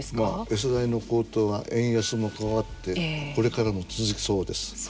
エサ代の高騰は円安も加わってこれからも続きそうです。